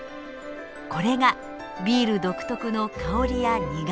これがビール独特の香りや苦みのもと。